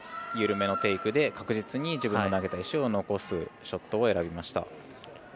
緩めのテイクで確実に自分の投げた石を残すショットを選びました。